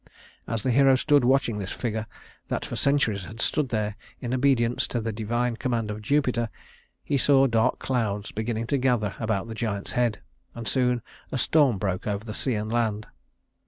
As the hero stood watching this figure that for centuries had stood here in obedience to the divine command of Jupiter, he saw dark clouds beginning to gather about the giant's head, and soon a storm broke over the sea and land.